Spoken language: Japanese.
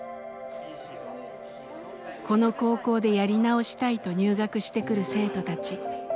この高校でやり直したいと入学してくる生徒たち。